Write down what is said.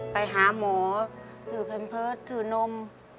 ไปหาหมอถือเพ็มเพิศถือนม